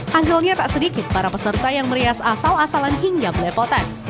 hasilnya tak sedikit para peserta yang merias asal asalan hingga belepotan